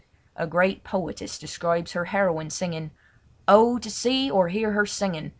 A great poetess describes her heroine singing: "Oh! to see or hear her singing!